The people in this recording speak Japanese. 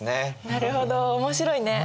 なるほど面白いね。